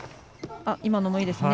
今のもいいですね。